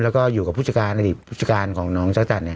แล้วก็อยู่กับผู้จัดการอดีตผู้จัดการของน้องเจ้าจันทร์